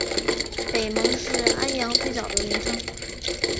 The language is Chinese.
北蒙是安阳最早的名称。